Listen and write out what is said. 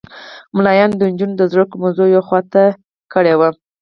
ملایانو د نجونو د زده کړو موضوع یوه خوا ته کړې وه.